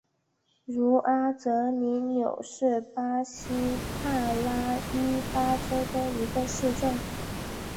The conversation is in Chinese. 茹阿泽里纽是巴西帕拉伊巴州的一个市镇。